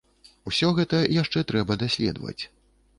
Усё гэта яшчэ трэба даследаваць.